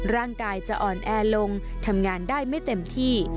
ร่างกายจะอ่อนแอลงทำงานได้ไม่เต็มที่